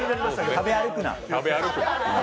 食べ歩くな！